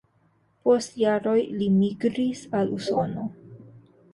Post jaroj li migris al Usono.